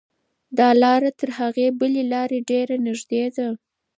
دا لاره تر هغې بلې لارې ډېره نږدې ده.